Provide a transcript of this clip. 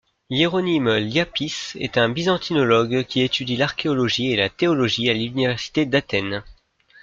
Hiéronyme Liápis est un byzantinologue qui étudie l’archéologie et la théologie à l'université d'Athènes.